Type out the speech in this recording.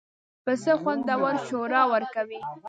پسه خوندور شوروا ورکوي.